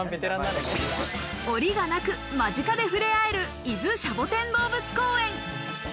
檻がなく間近で触れ合える伊豆シャボテン動物公園。